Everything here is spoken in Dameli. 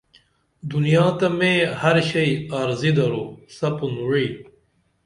دنیا تہ میں ہر شئی عارضی درو سپُن وعی